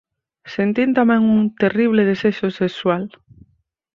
Sentín tamén un terrible desexo sexual.